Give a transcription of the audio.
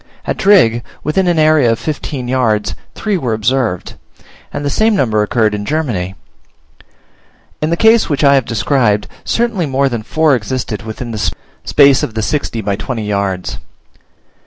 At Drigg, within an area of fifteen yards, three were observed, and the same number occurred in Germany. In the case which I have described, certainly more than four existed within the space of the sixty by twenty yards.